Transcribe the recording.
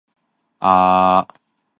一碗